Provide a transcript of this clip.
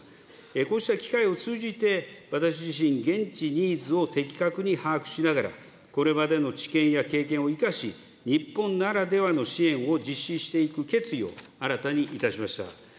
こうした機会を通じて、私自身、現地ニーズを的確に把握しながら、これまでの知見や経験を生かし、日本ならではの支援を実施していく決意を新たにいたしました。